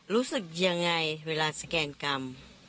รู้สึกยังไงเวลาสแกนกรรม